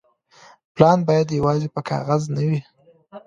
پلان بايد يوازي په کاغذ نه وي.